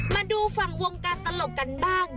มาดูฝั่งวงการตลกกันบ้าง